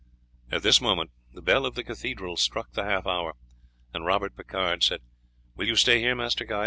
At this moment the bell of the cathedral struck the half hour, and Robert Picard said: "Will you stay here, Master Guy?